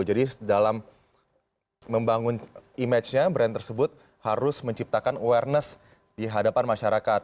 jadi dalam membangun image nya brand tersebut harus menciptakan awareness di hadapan masyarakat